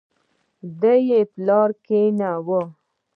دا يې پلار کېنولې وه.